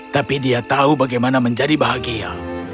tapi dia tahu bagaimana menjadi bahagia